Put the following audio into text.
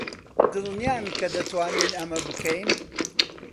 دڵنیان کە دەتوانین ئەمە بکەین؟